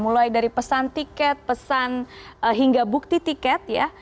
mulai dari pesan tiket pesan hingga bukti tiket ya